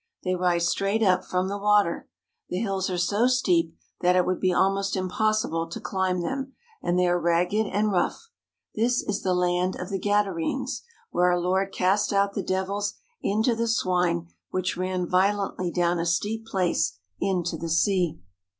They rise straight up from the water. The hills are so steep that it would be almost impossible to climb them, and they are ragged and rough. That is the land of the Gadarenes, where our Lord cast out the devils into the swine which ran vio lently down a steep place into the sea.